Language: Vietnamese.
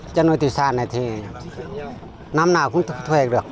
chất nuôi thủy sản này thì năm nào cũng thu hệt được